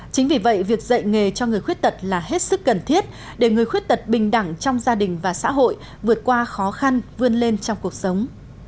chính vì vậy việc dạy nghề cho người khuyết tật là hết sức cần thiết để người khuyết tật bình đẳng trong gia đình và xã hội vượt qua khó khăn vươn lên trong cuộc sống